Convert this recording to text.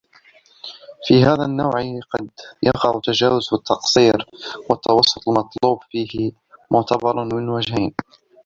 وَفِي هَذَا النَّوْعِ قَدْ يَقَعُ التَّجَاوُزُ وَالتَّقْصِيرُ وَالتَّوَسُّطُ الْمَطْلُوبُ فِيهِ مُعْتَبَرٌ مِنْ وَجْهَيْنِ